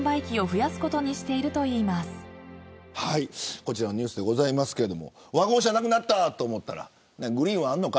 こちらのニュースですがワゴン車なくなったと思ったらグリーンはあるのか